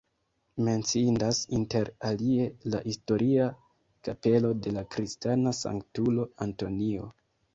Menciindas inter alie la historia kapelo de la kristana sanktulo Antonio.